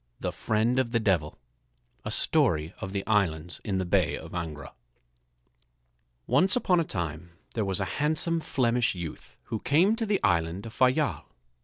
THE FRIEND OF THE DEVIL A Story of the Islands in the Bay of Angra Once upon a time there was a handsome Flemish youth who came to the island of Fayal.